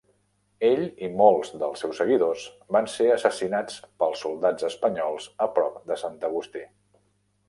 Ell i molts dels seus seguidors van ser assassinats pels soldats espanyols a prop de Sant Agustí.